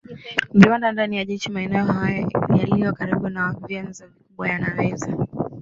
viwanda Ndani ya jiji maeneo yaliyo karibu na vyanzo vikubwa yanaweza